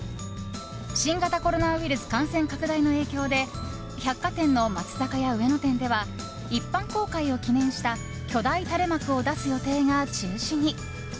新型コロナウイルス感染拡大の影響で百貨店の松坂屋上野店では一般公開を記念した巨大垂れ幕を出す予定が中止に。